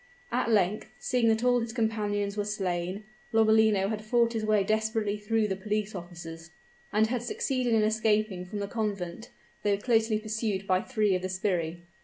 At length, seeing that all his companions were slain, Lomellino had fought his way desperately through the police officers, and had succeeded in escaping from the convent, though closely pursued by three of the sbirri.